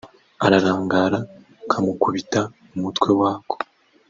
ararangara kamukubita umutwe wako